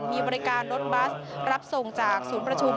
มีบริการรถบัสรับส่งจากศูนย์ประชุม